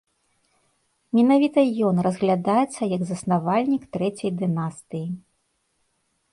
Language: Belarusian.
Менавіта ён разглядаецца як заснавальнік трэцяй дынастыі.